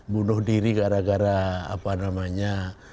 bunuh diri gara gara apa namanya